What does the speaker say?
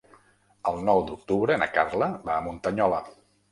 El nou d'octubre na Carla va a Muntanyola.